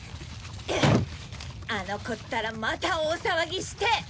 あの子ったらまた大騒ぎして！